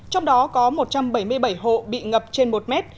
trong đó có một trăm bảy mươi bảy hộ bị ngập trên một mét